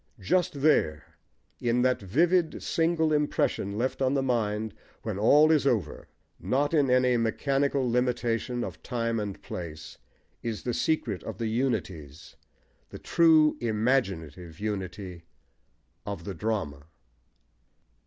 Just there, in that vivid single impression left on the mind when all is over, not in any mechanical limitation of time and place, is the secret of the "unities" the true imaginative unity of the drama.